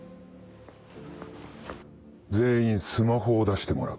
全員スマホを出してもらう。